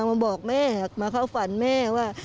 มาบอกแม่มาเข้าฝันแม่ว่า